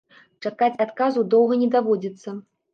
Чакаць адказу доўга не даводзіцца.